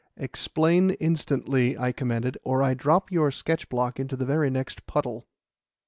"Explain instantly," I commanded, "or I drop your sketch block into the very next puddle."